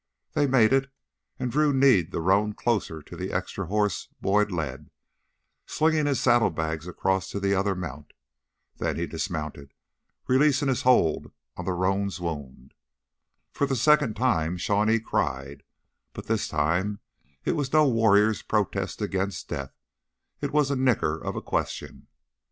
They made it, and Drew kneed the roan closer to the extra horse Boyd led, slinging his saddlebags across to the other mount. Then he dismounted, releasing his hold on the roan's wound. For the second time Shawnee cried, but this time it was no warrior's protest against death; it was the nicker of a question.